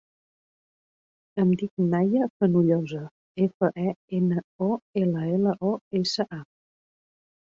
Em dic Nahia Fenollosa: efa, e, ena, o, ela, ela, o, essa, a.